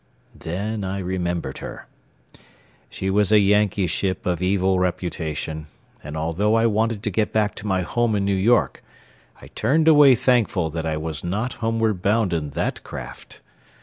Then I remembered her. She was a Yankee ship of evil reputation, and although I wanted to get back to my home in New York, I turned away thankful that I was not homeward bound in that craft.